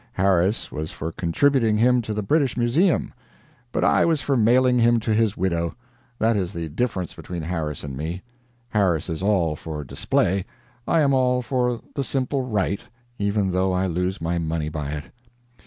Harris was for contributing him to the British Museum; but I was for mailing him to his widow. That is the difference between Harris and me: Harris is all for display, I am all for the simple right, even though I lose money by it.